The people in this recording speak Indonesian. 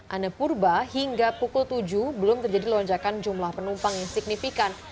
ane purba hingga pukul tujuh belum terjadi lonjakan jumlah penumpang yang signifikan